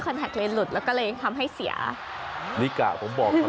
คอนแทคเรนหลุดแล้วก็เลยทำให้เสียนี่กะผมบอก